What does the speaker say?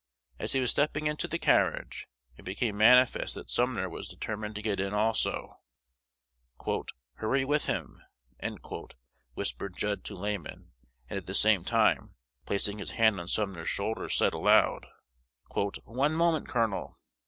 As he was stepping into the carriage, it became manifest that Sumner was determined to get in also. "Hurry with him," whispered Judd to Lamon, and at the same time, placing his hand on Sumner's shoulder, said aloud, "One moment, colonel!"